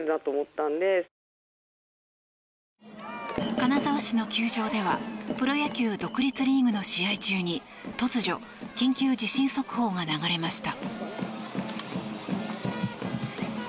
金沢市の球場ではプロ野球独立リーグの試合中に突如、緊急地震速報が流れました。